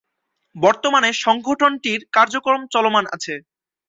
বর্তমানে সংগঠনটির কার্যক্রম চলমান আছে।